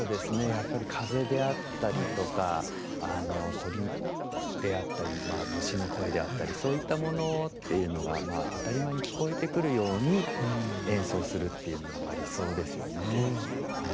やっぱり風であったりとか鳥であったり虫の声であったりそういったものっていうのが当たり前に聞こえてくるように演奏するっていうのがまあ理想ですよね。